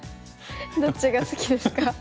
どっちが好きですか？